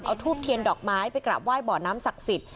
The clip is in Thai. เอาทูบเทียนดอกม้ายไปกลับว่ายเบาะน้ำศักดิ์สิทธิ์